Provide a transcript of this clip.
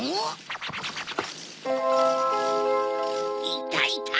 いたいた！